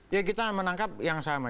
ya kita menangkap yang sama